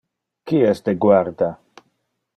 Qui es de guarda?